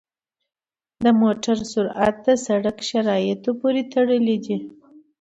د موټر سرعت د سړک شرایطو پورې تړلی دی.